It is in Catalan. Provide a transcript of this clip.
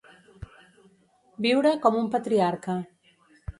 Viure com un patriarca.